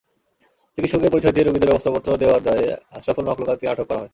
চিকিৎসকের পরিচয় দিয়ে রোগীদের ব্যবস্থাপত্র দেওয়ার দায়ে আশরাফুল মাখলুকাতকে আটক করা হয়।